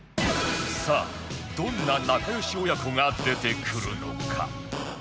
さあどんな仲良し親子が出てくるのか？